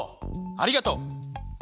ありがとう。